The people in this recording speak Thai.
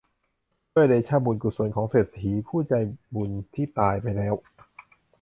ด้วยเดชะบุญกุศลของเศรษฐีผู้ใจบุญที่ตายไปแล้ว